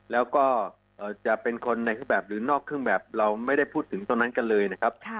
แล้วก็จะเป็นคนในเครื่องแบบหรือนอกเครื่องแบบเราไม่ได้พูดถึงตรงนั้นกันเลยนะครับ